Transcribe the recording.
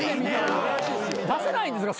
出せないんですか？